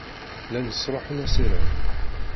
Llan sṛuḥen assirem.